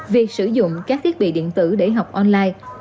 việc sử dụng các thiết bị điện tử để học online